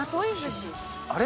あれ？